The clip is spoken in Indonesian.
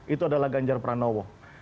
itu adalah ganjar pranowo